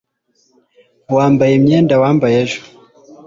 wambaye imyenda wambaye ejo